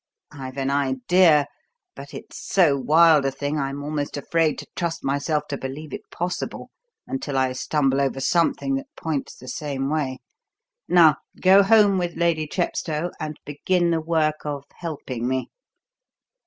I've an idea; but it's so wild a thing I'm almost afraid to trust myself to believe it possible until I stumble over something that points the same way. Now, go home with Lady Chepstow, and begin the work of helping me."